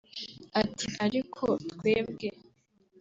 Ati “Ariko twebwe